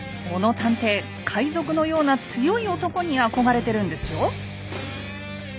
小野探偵海賊のような強い男に憧れてるんですよ。